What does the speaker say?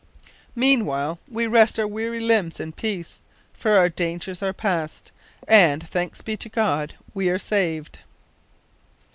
Meanwhile we rest our weary limbs in peace, for our dangers are past, and thanks be to God we are saved."